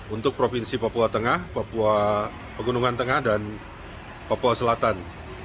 untuk provinsi papua tengah papua pegunungan tengah dan papua selatan